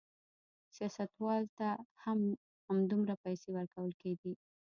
سیاستوالو ته هم همدومره پیسې ورکول کېدې.